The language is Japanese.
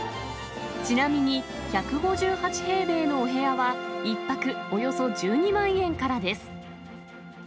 ちなみに１５８平米のお部屋は１泊およそ１２万円からです。